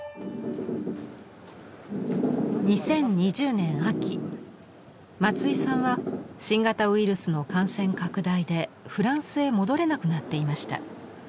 ２０２０年秋松井さんは新型ウイルスの感染拡大でフランスへ戻れなくなっていました。